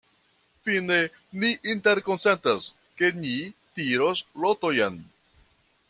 Fine ni interkonsentas, ke ni tiros lotojn.